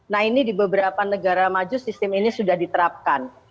nah ini di beberapa negara maju sistem ini sudah diterapkan